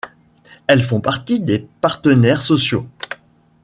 Elles font partie des partenaires sociaux.